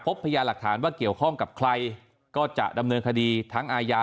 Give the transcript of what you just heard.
พยาหลักฐานว่าเกี่ยวข้องกับใครก็จะดำเนินคดีทั้งอาญา